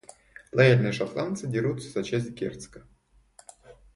Лояльные шотландцы дерутся за честь герцога.